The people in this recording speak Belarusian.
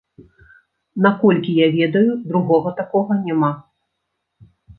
Наколькі я ведаю, другога такога няма.